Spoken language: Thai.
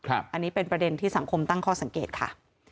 อันนี้เป็นประเด็นที่สังคมตั้งข้อสังเกตค่ะ